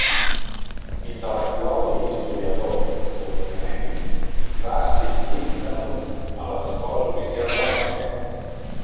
Intel·lectual i historiador borrianenc, va assistir de menut a les escoles oficials de la Mercè.